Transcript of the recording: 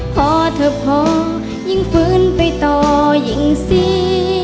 พอเธอพอยิ่งฟื้นไปต่อยิ่งสี